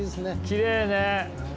きれいね。